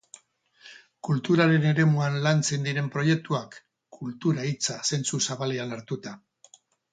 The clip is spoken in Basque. Kulturaren eremuan lantzen diren proiektuak, kultura hitza zentzu zabalean hartuta.